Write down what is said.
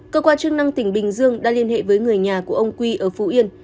cơ quan chức năng tỉnh bình dương đã liên hệ với người nhà của ông quy ở phú yên